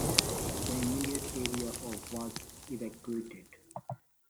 The immediate area of was evacuated.